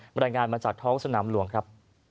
รายงานมาจากท้องสนามหลวงครับ